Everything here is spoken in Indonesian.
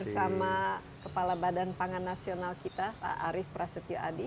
bersama kepala badan pangan nasional kita pak arief prasetyo adi